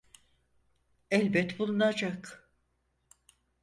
Elbet bulunacak!